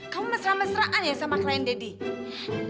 kamu mesra mesraan ya sama klien deddy